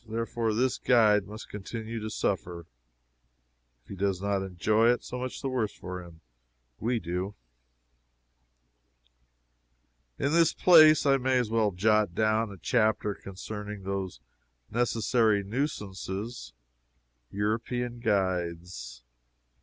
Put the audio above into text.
Therefore this guide must continue to suffer. If he does not enjoy it, so much the worse for him. We do. In this place I may as well jot down a chapter concerning those necessary nuisances, European guides.